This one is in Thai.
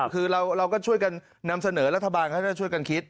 คือเราก็ช่วยกันนำเสนอรัฐบาลให้ได้ช่วยกันคิด